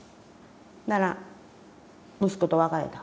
ほんなら息子と別れた。